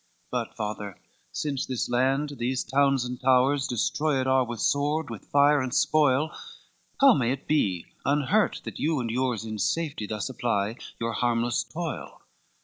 VIII "But, father, since this land, these towns and towers Destroyed are with sword, with fire and spoil, How may it be unhurt that you and yours In safety thus apply your harmless toil?"